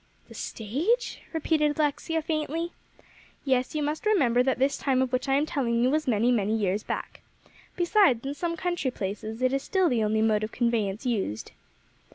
"The stage?" repeated Alexia faintly. "Yes; you must remember that this time of which I am telling you was many, many years back. Besides, in some country places, it is still the only mode of conveyance used."